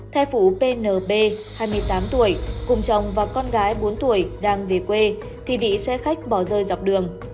thai phụ pnb hai mươi tám tuổi cùng chồng và con gái bốn tuổi đang về quê thì bị xe khách bỏ rơi dọc đường